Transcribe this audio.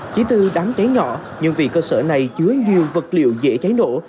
chỉ từ đám cháy nhỏ nhưng vì cơ sở này chứa nhiều vật liệu dễ cháy nổ